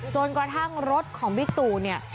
จนกระทั่งรถของบิ๊กตู่เนี่ย